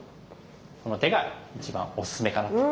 この手が一番おすすめかなと。